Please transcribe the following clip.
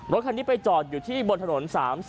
รถคันนี้ไปจอดอยู่ที่บนถนน๓๐